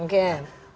untung besar dan nyata